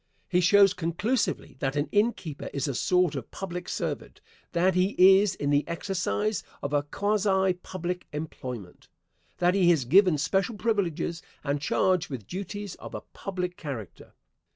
He shows conclusively that an inn keeper is a sort of public servant; that he is in the exercise of a quasi public employment, that he is given special privileges, and charged with duties of a public character.